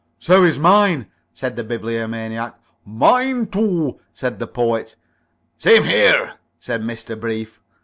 "So is mine," said the Bibliomaniac. "Mine, too," said the Poet. "Same here," said Mr. Brief.